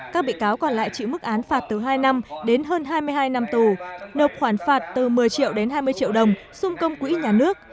các bị cáo còn lại chịu mức án phạt từ hai năm đến hơn hai mươi hai năm tù nộp khoản phạt từ một mươi triệu đến hai mươi triệu đồng xung công quỹ nhà nước